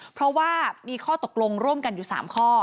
เพราะว่ามีข้อตกลงร่วมกันอยู่๓ข้อ